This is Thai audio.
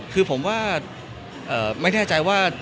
คือผมว่า